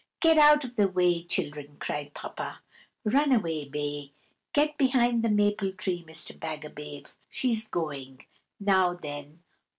"Get out of the way, children!" cried Papa. "Run away, Bay! Get behind the maple tree, Mr. Bagabave! She's going. Now, then!